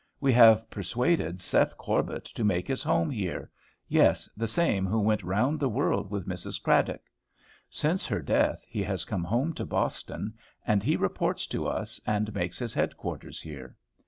We have persuaded Seth Corbet to make his home here, yes, the same who went round the world with Mrs. Cradock. Since her death, he has come home to Boston; and he reports to us, and makes his head quarters here.